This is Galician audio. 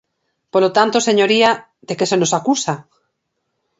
Polo tanto, señoría, ¿de que se nos acusa?